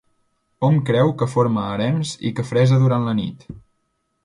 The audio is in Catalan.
Hom creu que forma harems i que fresa durant la nit.